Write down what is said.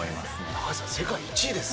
高橋さん、世界１位ですよ。